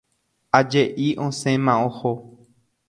Aje'i osẽma oho.